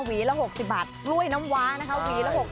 หวีละ๖๐บาทกล้วยน้ำว้านะคะ